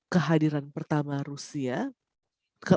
pertama terkait bahwa g tujuh akan merespon